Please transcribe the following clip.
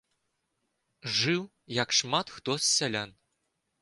Жыў, як шмат хто з сялян.